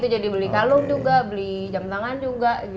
jadi beli kalung juga beli jam tangan juga